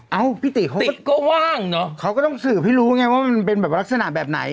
เอ้าพี่ติ๊กเขาติ๊กก็ว่างเนอะเขาก็ต้องสื่อพี่รู้ไงว่ามันเป็นแบบลักษณะแบบไหน